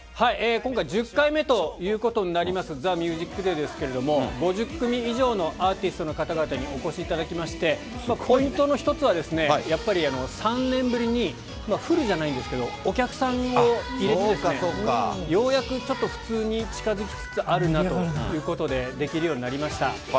今回１０回目ということになりますＴＨＥＭＵＳＩＣＤＡＹですけれども、５０組以上のアーティストの方々にお越しいただきまして、ポイントの一つは、やっぱり３年ぶりに、フルじゃないんですけど、お客さんを入れてですね、ようやくちょっと普通に近づきつつあるなということで、できるようになりました。